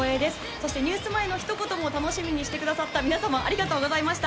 そしてニュース前のひと言も楽しみにしてくださった皆様、ありがとうございました。